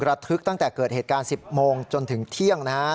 ระทึกตั้งแต่เกิดเหตุการณ์๑๐โมงจนถึงเที่ยงนะฮะ